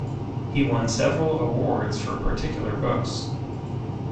He won several awards for particular books.